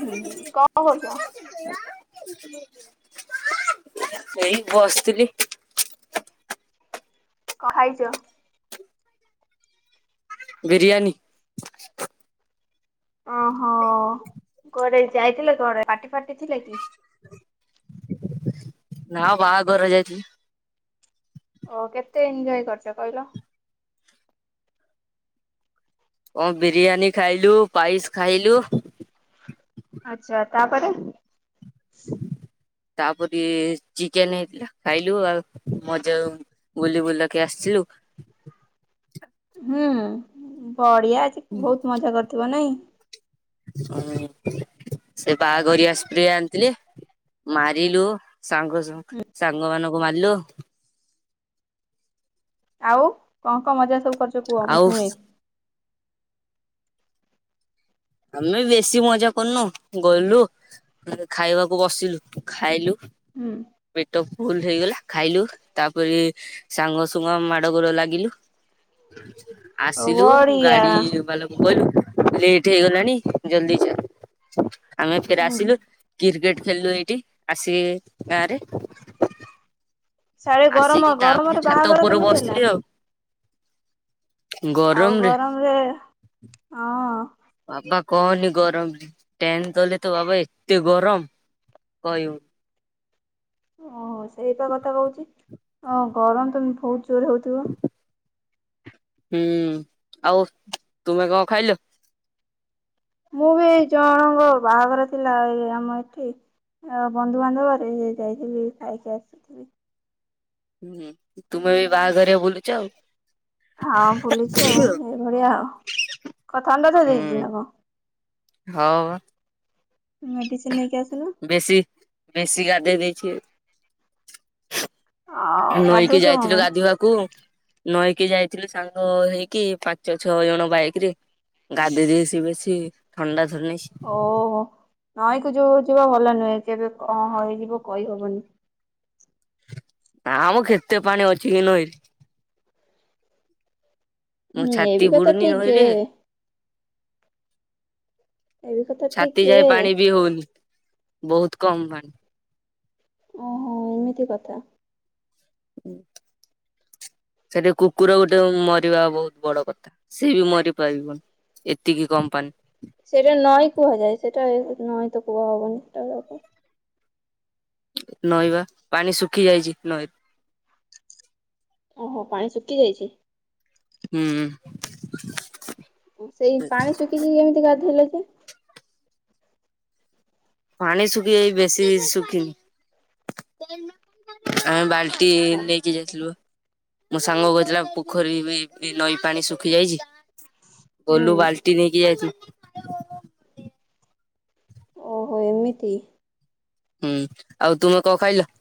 ହୁଁ କଣ କହୁଛ? ନା [inaudible] [inaudible] ସେଇ ବସିଥିଲି। କଣ ଖାଇଛ? ବିରିୟାନୀ। ଓହୋ କୁଆଡେ ଯାଇଥିଲେ କୁଆଡେ ପାର୍ଟି ଫାର୍ଟି ଥିଲା କି? ନାଁ ବାହାଘର ଯାଇଥିଲି। ଓ କେତେ ଏଞ୍ଜୟ କରିଛ କହିଲ? ଓ ବିରିୟାନୀ ଖାଇଲୁ, ପାଇସ୍ ଖାଇଲୁ। ଆଛା ତାପରେ? [inaudible] ତାପରି ଚିକେନ ହେଇଥିଲା ଖାଇଲୁ ଆଉ ମଜା ବୁଲି ବୁଲକି ଆସିଲୁ। ହୁଁ ବଢିଆ ଅଛି ବହୁତ ମଜା କରିଥିବ ନାଇଁ। ହ ସେ ବାହାଘରିଆ ସ୍ପ୍ରରେ ଆଣିଥିଲେ ମାରିଲୁ। ସାଙ୍ଗ [unintelligible] ସାଙ୍ଗ ମାନଙ୍କୁ ମାରିଲୁ। ଆଉ କଣ-କଣ ମଜା ସବୁ କରିଚ କୁହ ମୁଁ ଆଉ ଶୁଣେ। ଆମେ ବେଶୀ ମଜା କରିନୁ, ଗଲୁ ଖାଇବାକୁ ବସିଲୁ ଖାଇଲୁ ହୁଁ। ପେଟ ଫୁଲ୍ ହେଇଗଲା ଖାଇଲୁ, ତାପରେ ସାଙ୍ଗସୁଙ୍ଗ ମାଡ ଗୋଳ ଲାଗିଲୁ, ଆସିଲୁ ବଢିଆ ଗାଡି ବାଲା କହିଲୁ ଲେଟ୍ ହେଇଗଲାଣି ଜଲ୍ଦି ଚାଲ୍, ଆମେ ଫେରେ ହୁଁ ଆସିଲୁ। କିର୍କେଟ୍ ଖେଳିଲୁ ଏଇଠି ଆସି ଗାଁରେ। ସାଡେ ଆସିକି ଗରମ ତାପରେ ଗରମରେ ଛାତ ବାହାଘର ଉପରେ କେମିତି ହେଲା? ବସିଥିଲି ଆଉ ଆଉ ଗରମରେ ଗରମ୍ ରେ ହଁ। ବାପା କହନି ଗରମ୍ ଟେନ୍ [unintelligible] ତ ବାବା ଏତେ ଗରମ୍ କହିବୁ ଓହୋ ସେଇପା କଥା କହୁଚି ଅ ଗରମ୍ ତ ବହୁତ୍ ଜୋରେ ହଉଥିବ। ହୁଁ, ଆଉ ତୁମେ କଣ ଖାଇଲ? ମୁଁ ବି ଏଇ ଜଣଙ୍କ ବାହାଘର ଥିଲା ଏଇ ଆମ ଏଠି ଅ ବନ୍ଧୁବାନ୍ଧବରେ ସେ ଯାଇଥିଲି ଖାଇକି ଆସିଥିଲି। ହୁଁ, ତୁମେ ବି ବାହାଘରରେ ବୁଲୁଚ ଆଉ। [unintelligible] ବୁଲଚି ଆଉ, ଏଇଭଳିଆ ଆଉ। ହ ବା। ମେଡିସିନ୍ ନେଇକି ଆସୁନୁ। ବେଶୀ-ବେଶୀ ଗାଧେଇ ଦେଇଚି। ଆଉ ନଈକି ଗାଧଉଛ କଣ ଯାଇଥିଲୁ ପାଇଁ ଗାଧୋଇବାକୁ ନଈକି ଯାଇଥିଲୁ ସାଙ୍ଗ ହେଇକି ପାଞ୍ଚ ଛଅ ଜଣ ବାଇକ୍ ରେ ଗାଧେଇ ଦେଇସି ବେଶୀ ଥଣ୍ଡା [unintelligible] ଓହୋ ନଈକୁ ଯୋଉ ଯିବା ଭଲ ନୁହେଁ, କେବେ କଣ ହେଇଯିବ କହିହବନି। ନାଁ ମ କେତେ ପାଣି ଅଛି କି ନଈରେ। ମୋ ହୁଁ ଏ ଛାତି ବି କଥା ବୁଡୁନି ଠିକ୍ ଯେ। ନଈରେ ଏ ବି କଥା ଠିକ ଛାତି ଯେ ଯାଏ ପାଣି ବି ହଉନି, ବହୁତ୍ କମ୍ ପାଣି। ଓହୋ, ଏମିତି କଥା। ହୁଁ। ସେଠି କୁକୁର ଗୋଟେ ମରିବା ବହୁତ୍ ବଡ କଥା, ସେ ବି ମରି ପାରିବନି। ଏତିକି କମ୍ [unintelligible] ସେଇଟା ନଈଁ କୁହାଯାଏ, ସେଟା ନଈଁ ତ କୁହାହବନି ସେଟା। ନଈବା, ପାଣି ଶୁଖି ଯାଇଚି ନଈ ଓହୋ, ପାଣି ଶୁକି ଯାଇଚି? ହୁଁ। ସେଇ ପାଣି ଶୁଖିଚି କେମ୍ତି ଗାଧୋଇଲେ ଯେ? ପାଣି ଶୁଖି ଯାଇ ବେଶୀ ଶୁଖିନି ଆମେ ବାଲ୍ ଟି ନେଇକି ଯାଇଥିଲୁ ବା। ମୋ ସାଙ୍ଗ କହିଥିଲା ପୋଖରୀ [unintelligible] ନଈ ପାଣି ଶୁଖି ଯାଇଚି, ହୁଁ। ଗଲୁ ବାଲ୍ ନେଇକି [unintelligible] ଓହୋ ଏମିତି? ହୁଁ, ଆଉ ତୁମେ କ ଖାଇଲ?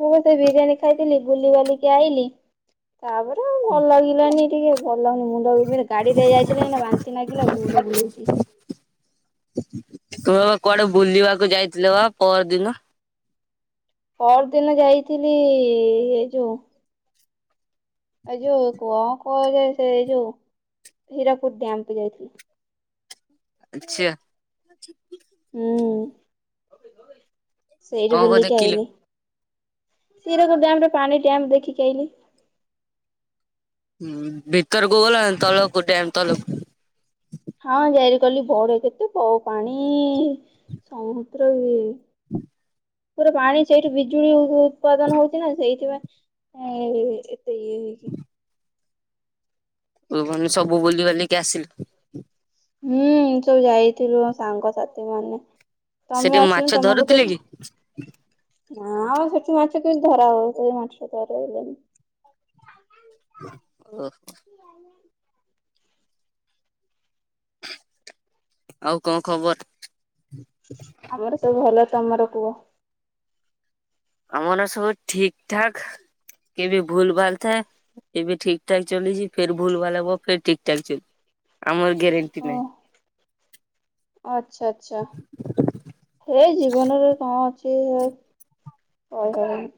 ମୁଁ ବି ତ ବିରିୟାନୀ ଖାଇଥିଲି, ବୁଲିି ବାଲିକି ଆଇଲିି। ତାପରେ ଆଉ ଭଲ୍ ଲାଗିଲାନି ଟିକେ ଭଲ୍ ଲାଗୁନି ମୁଣ୍ଡ ବି ଗାଡି ରେ ଯାଇଥିଲି ଏଇନା ବା ସେଥିଲାଗି ଲ ମୁଣ୍ଡ ବୁଲଉଛି। ତୁ ବା କୁଆଡେ ବୁଲିବାକୁ ଯାଇଥିଲ ବା ପର ଦିନ। ପର ଦିନ ଯାଇଥିଲି ଏ ଯୋଉ ଏ ଯୋଉ କଣ କୁହାଯାଏ ସେ ଏଇ ଯୋଉ ହୀରାକୁଦ୍ ଡ୍ୟାମକୁୁ ଯାଇଥିଲି। ଆଛା। [inaudible] ହୁଁ କଣ ସେଇଠି କଣ ବୁଲିକି ଦେଖିଲ? ଆଇଲିି। ହୀରାକୁଦ ଡ୍ୟାମରେ ପାଣି ଡ୍ୟାମ୍ ଦେଖିକି ଆଇଲି। ହଁ ଭିତରକୁ ଗଲା ତଳକୁ ଡ୍ୟାମ୍ ତଳକୁ। ହଁ ଯାରି କଲି ବଡ କେତେ ବ ପାଣି ସମୁଦ୍ର [inaudible] ପୁରା ପାଣି ସେଇଠୁ ବିଜୁଳି ଉତ୍ପାଦନ ହଉଛି ନା ସେଇଥିପାଇଁ ହଁ କେତେ ଇଏ ହେଇକି। ତୁ ମାନେ ସବୁ ବୁଲି ବାଲିକି ଆସିଲୁ। ହୁଁ ସବୁ ଯାଇଥିଲୁ ସାଙ୍ଗସାଥି ମାନେ ତମେ ସେଠି ମାଛ ଆସିଲୁ ତମକୁ ତ ଧରୁଥିଲେ କି? ହଁ ଆଉ ସେଠି ମାଛ କେମତି ଧରା ହବ ସେଇ ମାଛା ଧରଇଲେଣିି। [unintelligible] ଆଉ କଣ ଖବର? ଆମର ସବୁ ଭଲ ତମର କୁହ। ଆମର ସବୁ ଠିକ ଠାକ କେ ବି ଭୁଲ ଭାଲ ଥାଏ ଏବେ ଠିକ ଠାକ ଚଲିଚି ଫେର ଭୁଲ ଭାଲ ହବ ଫେର ଠିକ ଠାକ ଚାଲିବ ଆମର ଗ୍ୟାରେଣ୍ଟି ନାହିଁ। ଓ ଆଚ୍ଛା ଆଚ୍ଛା। ହେଇ ଜୀବନରେ କଣ ଅଛି ଯେ କହିହବନି।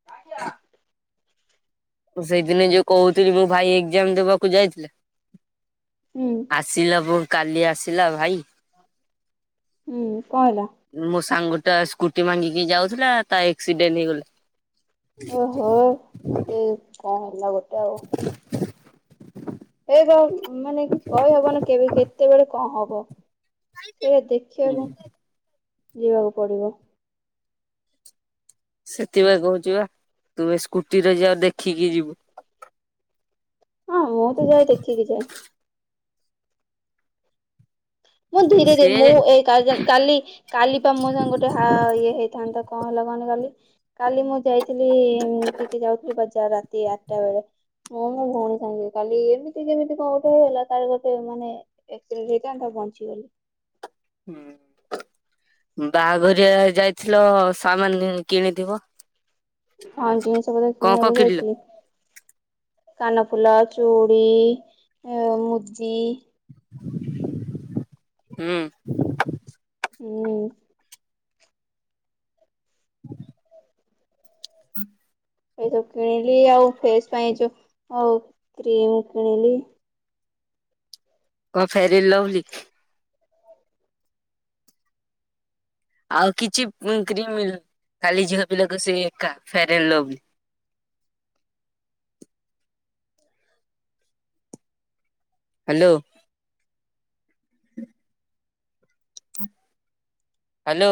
[unintelligible] ମୁଁ ସେଇଦିନ ଯୋଉ କହୁଥିଲି ମୋ ଭାଇ ଏକ୍ଜାମ ଦବାକୁ ଯାଇଥିଲେ। ହୁଁ ଆସିଲା ପୁଣି କାଲି ଆସିଲା ଭାଇ। ହୁଁ କଣ ହେଲା। ମୋ ସାଙ୍ଗ ଟା ସ୍କୁଟି ମାଗିକି ଯାଉଥିଲା ତା ଏକ୍ସିଡେଣ୍ଡ ହେଇଗଲା। [unintelligible] ଏଇ କଣ ହେଲା ଗୋଟେ ଆଉ। [unintelligible] ଏ ଯଉ ମାନେ କହିହବନୀ କେବେ କେତେବେଳେ କଣ ହବ। ସେଇରା ହୁଁ। ଦେଖିବାକୁ ଯିବାକୁ ପଡିବ। ସେଥିପାଇଁ କହୁଛ ବା ତୁ ଏ ସ୍କୁଟି ରେ ଯଅ ଦେଖିକି ଯିବୁ। ହଁ ମୁଁ ତ ଯାଏ ଦେଖିକି ଯାଏ। ମୁଁ ଧୀରେ ଧୀରେ ସେ ମୁଁ କାଲି କାଲି ପାମୋସଙ୍ଗେ ଗୁଟେ ହା ଆ ଇଏ ହେଇଥାନ୍ତା କଣ ହେଇଥାନ୍ତା କାଲି। କାଲି ମୁଁ ଯାଇଥିଲି ଟିକେ ଯାଉଥିଲି ବଜାର ରାତି ଆଠଟା ବେଳେ। ମୁଁ ମୁଁ ଭଉଣୀ ସାଙ୍ଗେ ଯାଇ କାଲି ଏମିତି କେମିତି କଣ ଗୁଟେ ହେଇଯାଆନ୍ତା ଗୁଟେ ମାନେ [unintelligible] ଏକ୍ସିଡେଣ୍ଟ ହେଇଥାନ୍ତା ବଞ୍ଚିଗଲି। ହୁଁଉଁ। ବାଘରିଆ ଯାଇଥିଲ ସାମାନ କିଣିଥିବ। ହଁ ଜିନିଷ ପତର କଣ କଣ କିଣିବାକୁ କିଣିଲ? ଯାଇଥିଲି। କାନଫୁଲ ଚୁଡ଼ି ମ ମୁଦି। ହୁଁ। ହୁଁ। ହୁଁତୁ ଏଇ ସବୁ କିଣିଲି, ଆଉ ଫେସ ପାଇଁ ଯଉ ଆଉ କ୍ରିମ କିଣିଲି। କହ ଫ୍ୟାରେଲ ଲଭଲି? ଆଉ କିଛି ଉଁ କ୍ରିମ ମିଲ୍, ଖାଲି ଝିଅ ପିଲାଙ୍କ ସେଇ ଏକା farewell lovely. Hello. Hello.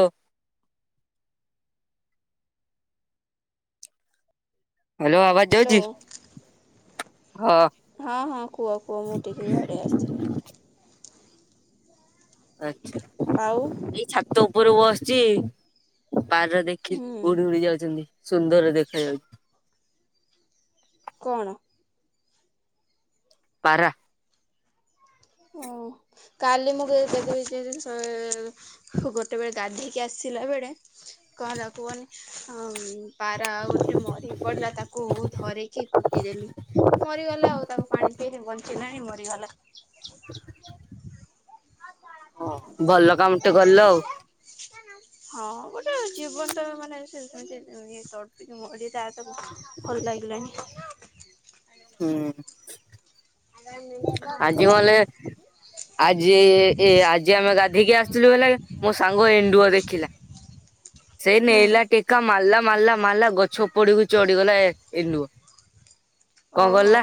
Hello, ଆବାଜ ଯାଉଛି, ହ୍ୟାଲୋ ହଁ? ହଁ ହଁ, କୁହ କୁହ ମୁଁ ଟିକେ ଇଆଡ଼େ ଆସିଥିଲି। ଆଚ୍ଛା! ଆଉ? ଏଇ ଛାତ ଉପରେ ବସିଛି, ପାରା ଦେଖି ହୁଁ ଉଡି ଉଡି ଯାଉଛନ୍ତି। ସୁନ୍ଦର ଦେଖାଯାଉଛି। କଣ? ପାରା ହଁ। କାଲି ମୁଁ [unintelligible] ଗୋଟେବେଳେ ଗାଧେଇକି ଆସିଲା ବେଳେ କଣ ହେଲା କୁହନି? ହଁ ପାରା ଆଉ ଗୋଟେ ମରିକି ପଡିଲା ତାକୁ ଧରିକି ପୋତି ଦେଲି। ମରିଗଲା ଆଉ, ତାକୁ ପାଣି ପେଇଲି ବଂଚିଲାନି ମରିଗଲା। ହ ହଁ ଭଲ କାମ ଟେ କଲ। ହଁ ଗୋଟେ ଜୀବନ ଟା ବି ମାନେ [unintelligible] [unintelligible] ହୁ [unintelligible] ହଲ ଲାଗିଲାଣି। ହୁଁ। ଆଜିମଲେ, ଆଜି ଏ ଅଜି ଆମେ ଗାଧେଇକି ଆସ ସେ [unintelligible] ମୋ ସାଙ୍ଗ ଏଣ୍ଡୁଅ ଦେଖିଲା। ସେଇ ହୁଁ ନେଇଲା ଟେକା ମାଲା ମାଲା ମାଲା ଗଛ ଉପଡୁକୁ ଚଢ଼ି ଗଲା ଏ ଏଣ୍ଡୁଅ। କଣ ଓହୋ ଗଲା,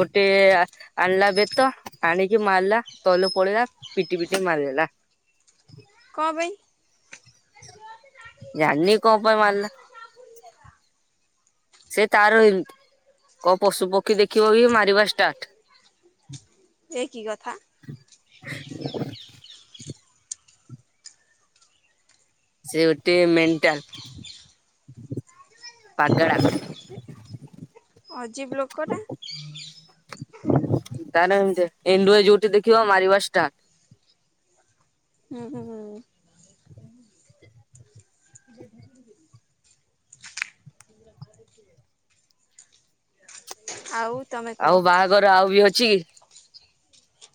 ଗୋଟେ ଆ ଆଣିଲା ବେତ, ଆଣିକି ମାରିଲା, ତଲୁ ପଳେଇିଲା ପିଟି ପିଟି ମାରିଦେଲା। କପାଇଁ? ଜା ନି କଁ ପାଇ ମାଇଲା? ସେ ତାର ଏମିତି କଣ ପଶୁ ପକ୍ଷୀ ଦେଖିବ କି ମାରିବା ଷ୍ଟାର୍ଟ। ଏ କି କଥା? [unintelligible] ସେ ଗୋଟିଏ ମେଣ୍ଟାଲ୍। [unintelligible] ପାଗେଳା। ଅଜୀବ ଲୋକଟା। ତାର ଏମିତି, ଏଣ୍ଡୁଅ ଯୋଉଠି ଦେଖିବ ମାରିବା ଷ୍ଟାର୍ଟ। ହୁଁଁ ହୁଁ। [unintelligible] ଆଉ ତମେ କୁହ ଆଉ ବାହାଘର ଆଉ ବି ଅଛିକି?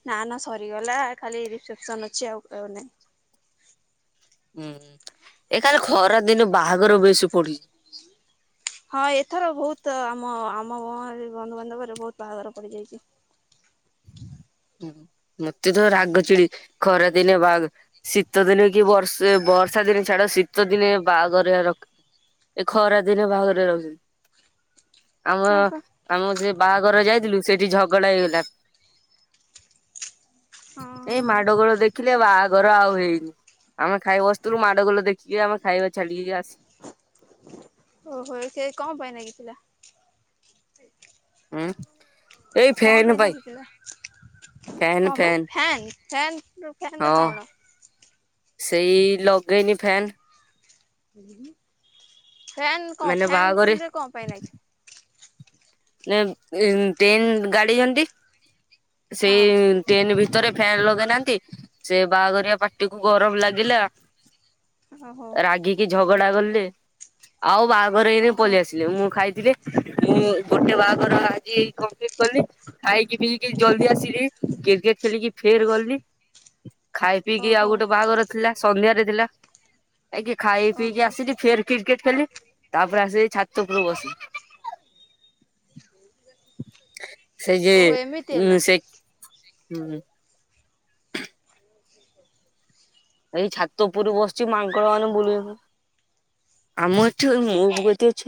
ନା ନା ସରିଗଲା ଖାଲି ରିସେପସନ୍ ଅଛି ଆଉ ଆଉ ନାହିଁ। ହୁଁ ଏ ଖାଲି ଖରା ଦିନେ ବାହାଘର ବେଶୀ ପଡ଼ି ହଁ ଏଥର ବହୁତ ଆମ ଆମ [unintelligible] ବନ୍ଧୁବାନ୍ଧବରେ ବହୁତ ବାହାଘର ପଡ଼ିଯାଇଚି। ହୁଁ ମତେ ତ ରାଗ ଚିଡ଼େ ଖରା ଦିନେ ବାହାଘର ଶୀତ ଦିନେ କି ବର୍ଷେ ବର୍ଷା ଦିନେ ଛାଡ଼ ଶୀତ ଦିନେ ବାହାଘର ରଖ ଏ ଖରାଦିନେ ବାହାଘରେ ରହୁଚନ୍ତି। ଆମ ହଁ ପା। ଆମ ସେ ବାହାଘର ଯାଇଥିଲୁ ସେଇଠି ଝଗଡା ହେଇଗଲା। ହଁ ଏଇ ହଁ ମାଡ଼ ଗୋଳ ଦେଖିଲେ ଆଉ ବାହାଘର ଆଉ ହେଇନି। ଆମେ ଖାଇ ବସ୍ତିଲୁ ମାଡ଼ଗୋଳ ଦେଖି ଆମେ ଖାଇବା ଛାଡ଼ିକ ଆସି ଓହୋଃ ସେ କଣ ପାଇଁ ନାଗିଥିଲା? ଉଁ? ଏଇ କଣ ଫ୍ୟାନ ପାଇଁ ନାଗିଥିଲା କଣ ପାଇଁ ଫ୍ୟାନ ଫାନ ଫ୍ୟାନରେ ହଁ କଣ? ସେଇ ଲଗେଇନି ଫ୍ୟାନ୍ ଫ୍ୟାନ୍ କଣ ମାନେ ବାହାଘରେ ଫ୍ୟାନ୍ ରେ କଣ ପାଇଁ ନାଗି ନା ଇଁ ଟେନ୍ କାଡିଛନ୍ତି ସେଇ ହଁ ଟେଣ୍ଟ ଭିତରେ ଫ୍ୟାନ ଲଗେଇନାହାନ୍ତି ସେ ବାହାଘରିଆ ପାଟିକୁ ଗରମ ଲାଗିଲା ଓହୋ ରାଗିକି ଝଗଡା କଲେ ଆଉ ବାହାଘର ହେଇନି ଓହୋ ପଳେଇ ଆସ ମୁଁ ଖାଇଥିଲି ମୁଁ ଗୋଟେ ବାହାଘର ଆଜି ଏଇ କମ୍ପଲିଟ କଲି ଖାଇକି ପିିଇକି ଜଲଦି ଆସିଲି କ୍ରିକେଟ ଖେଳିକି ଫେର ଗଲି ଖାଇ ପିଇକି ଆଉ ଓହୋ ଗୋଟେ ବାହାଘର ଥିଲା ସନ୍ଧ୍ୟାରେ ଥିଲା। ଯାଇକି ଖାଇ ପିଇକି ଓହୋ ଆସିକି ଫେର କ୍ରିକେଟ ଖେଳିଲି ତାପରେ ଆସି ଛାତ ଉପୁରେ ବସିଚି। ସେଇ ଯେ ଓହୋ ଏମିତି ଉଁ ହେଲା। ସେ ହୁଁ। ଏଇ ଛାତ ଉପରେ ବସିଛି ମାଙ୍କଡ଼ ମାନେ ବୁଲୁଚନ ଆମ ଏଠି ମୋ ଗତି ଗଛ